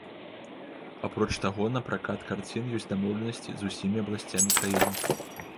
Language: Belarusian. Апроч таго на пракат карціны ёсць дамоўленасці з усімі абласцямі краіны.